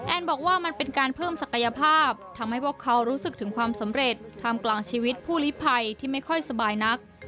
บอกว่ามันเป็นการเพิ่มศักยภาพทำให้พวกเขารู้สึกถึงความสำเร็จท่ามกลางชีวิตผู้ลิภัยที่ไม่ค่อยสบายนัก